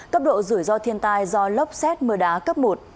cấp độ rủi ro thiên tai do lốc xét mưa đá cấp một